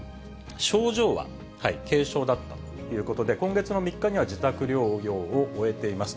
症状は軽症だったということで、今月の３日には自宅療養を終えています。